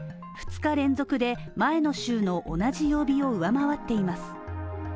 ２日連続で前の週の同じ曜日を上回っています。